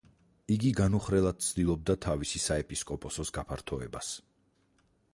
იგი განუხრელად ცდილობდა თავისი საეპისკოპოსოს გაფართოებას.